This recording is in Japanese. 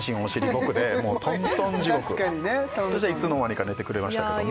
僕でもうトントン地獄そうしたらいつの間にか寝てくれましたけどね